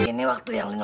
terima kasih ya lino